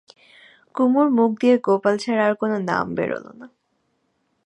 কুমুর মুখ দিয়ে গোপাল ছাড়া আর কোনো নাম বেরোল না।